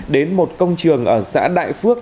đến một công trường ở xã đại phước